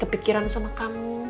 kepikiran sama kamu